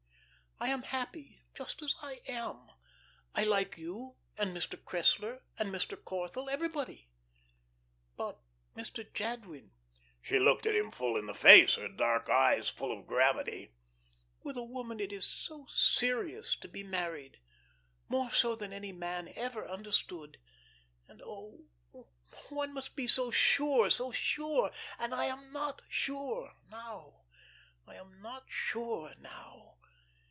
I am happy just as I am. I like you and Mr. Cressler and Mr. Corthell everybody. But, Mr. Jadwin" she looked him full in the face, her dark eyes full of gravity "with a woman it is so serious to be married. More so than any man ever understood. And, oh, one must be so sure, so sure. And I am not sure now. I am not sure now.